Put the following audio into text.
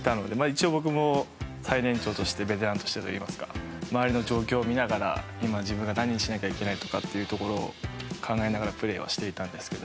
一応、僕も最年長としてベテランとしてといいますか周りの状況を見ながら今、自分が何しなきゃいけないってところを考えながらプレーはしていたんですけど。